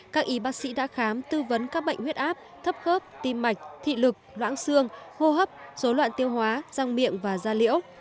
các y bác sĩ đã khám tư vấn các bệnh huyết áp thấp khớp tim mạch thị lực loãng xương hô hấp dối loạn tiêu hóa răng miệng và da liễu